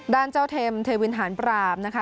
ด้านเจ้าเทมเทวินหารปราบนะคะ